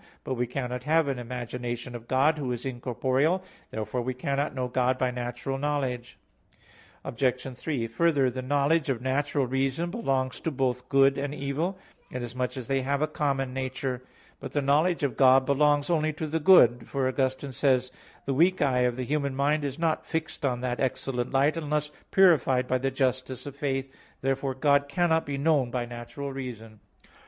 But we cannot have an imagination of God, Who is incorporeal. Therefore we cannot know God by natural knowledge. Obj. 3: Further, the knowledge of natural reason belongs to both good and evil, inasmuch as they have a common nature. But the knowledge of God belongs only to the good; for Augustine says (De Trin. i): "The weak eye of the human mind is not fixed on that excellent light unless purified by the justice of faith." Therefore God cannot be known by natural reason.